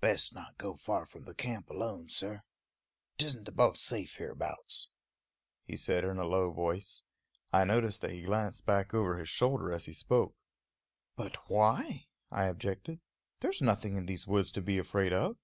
"Best not go far from camp alone, sir. 'T isn't above safe hereabouts," he said in a low voice. I noticed that he glanced back over his shoulder as he spoke. "But why?" I objected. "There's nothing in these woods to be afraid of."